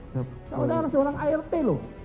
saudara seorang art loh